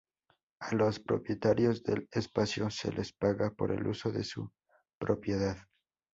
A los propietarios del espacio se les paga por el uso de su propiedad.